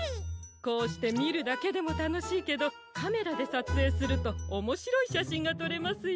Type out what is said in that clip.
こうしてみるだけでもたのしいけどカメラでさつえいするとおもしろいしゃしんがとれますよ。